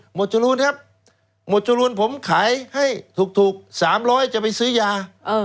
จรูนครับหมวดจรูนผมขายให้ถูก๓๐๐จะไปซื้อยา